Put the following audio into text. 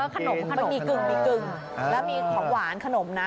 อ๋อขนมมีกึ่งแล้วมีของหวานขนมนะ